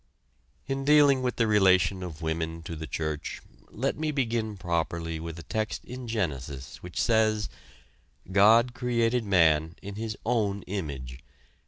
In dealing with the relation of women to the church, let me begin properly with a text in Genesis which says: "God created man in his _own _image